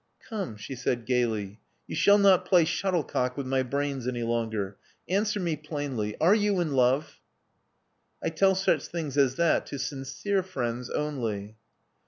Come," she said gaily. *'You shall not play shuttlecock with my brains any longer. Answer me plainly. Are you in love?" I tell such things as that to sincere friends only."